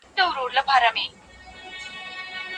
خیر محمد ته د خپلې کورنۍ د غړو روغتیا تر هر څه لومړیتوب لري.